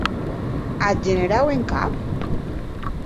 Ath generau en cap?